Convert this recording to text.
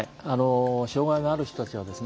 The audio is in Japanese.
障害がある人たちはですね